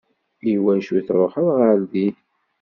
I wacu i tṛuḥeḍ ɣer din?